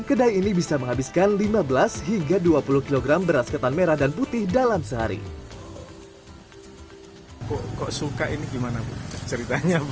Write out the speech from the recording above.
kedai ini bisa menghabiskan lima belas hingga dua puluh kg beras ketat merah dan putih dalam sehari